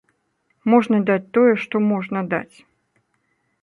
Можна даць тое, што можна даць.